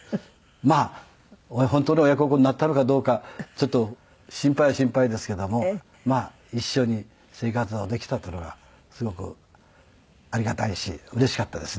まあ本当の親孝行になったのかどうかちょっと心配は心配ですけども一緒に生活をできたっていうのがすごくありがたいしうれしかったですね。